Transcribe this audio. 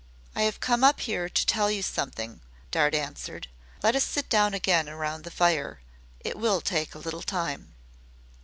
"I have come up here to tell you something," Dart answered. "Let us sit down again round the fire. It will take a little time."